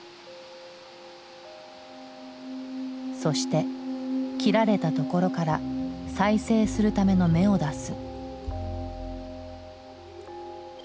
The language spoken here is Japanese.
そして切られたところから再生するための芽を出す。